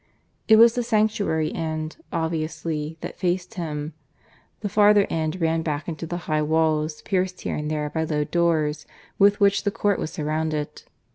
It was the sanctuary end, obviously, that faced him; the farther end ran back into the high walls, pierced here and there by low doors, with which the court was surrounded.